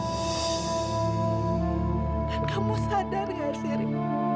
dan kamu sadar nggak seri